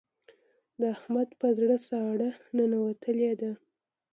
د احمد په زړه ساړه ننوتلې ده.